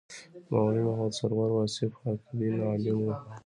مولوي محمد سرور واصف حقبین عالم و.